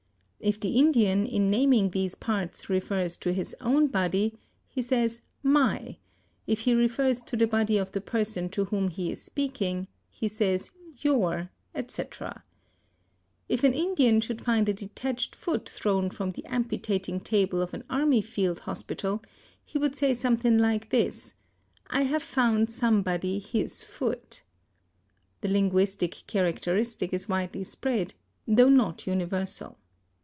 If the Indian, in naming these parts, refers to his own body, he says my; if he refers to the body of the person to whom he is speaking, he says your, &c. If an Indian should find a detached foot thrown from the amputating table of an army field hospital, he would say something like this: I have found somebody his foot. The linguistic characteristic is widely spread, though not universal.